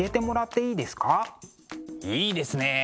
いいですねえ！